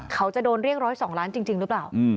เขาจะโดนเรียก๑๐๒ล้านจริงหรือเปล่า